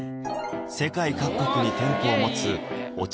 世界各国に店舗を持つお茶